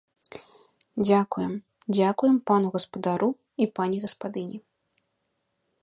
Дзякуем, дзякуем пану гаспадару і пані гаспадыні!